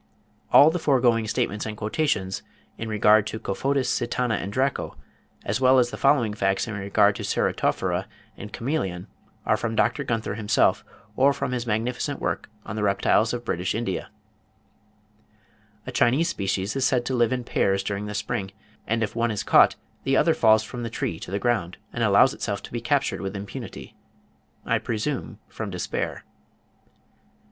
(67. All the foregoing statements and quotations, in regard to Cophotis, Sitana and Draco, as well as the following facts in regard to Ceratophora and Chamaeleon, are from Dr. Gunther himself, or from his magnificent work on the 'Reptiles of British India,' Ray Soc., 1864, pp. 122, 130, 135.) A Chinese species is said to live in pairs during the spring; "and if one is caught, the other falls from the tree to the ground, and allows itself to be captured with impunity"—I presume from despair.